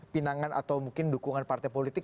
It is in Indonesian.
pinangan atau mungkin dukungan partai politik